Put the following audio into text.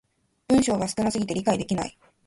文章が少な過ぎて理解できない